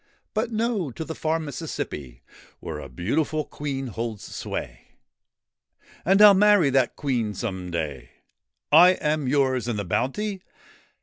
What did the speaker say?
' But no ; to the far Mississippi, Where a beautiful Queen holds sway : And I 'II marry that Queen some day' '/ am yours ! And the bounty